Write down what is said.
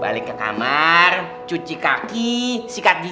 tapi kalian harus berhati hati